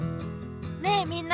ねえみんな。